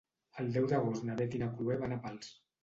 El deu d'agost na Beth i na Chloé van a Pals.